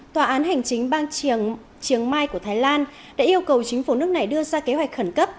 tòa án hành chính bang mai của thái lan đã yêu cầu chính phủ nước này đưa ra kế hoạch khẩn cấp